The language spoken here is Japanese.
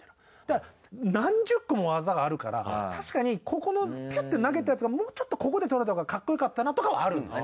何十個も技があるからたしかにここのピュッて投げたやつがもうちょっとここで取れたほうがかっこよかったなとかはあるんですよ。